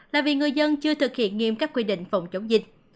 là vì người dân chưa thực hiện nghiêm các quy định phòng chống dịch